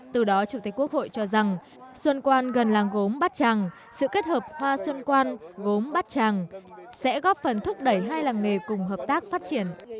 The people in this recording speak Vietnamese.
từ đó chủ tịch quốc hội cho rằng xuân quan gần làng gốm bát tràng sự kết hợp hoa xuân quan gốm bát tràng sẽ góp phần thúc đẩy hai làng nghề cùng hợp tác phát triển